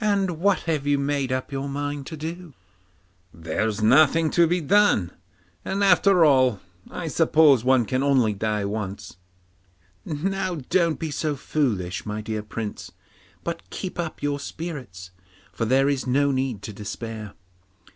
'And what have you made up your mind to do?' 'There's nothing to be done, and after all I suppose one can only die once.' 'Now, don't be so foolish, my dear Prince; but keep up your spirits, for there is no need to despair.